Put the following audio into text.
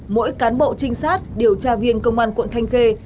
mỗi cán bộ trinh sát điều tra viên công an quận thanh khê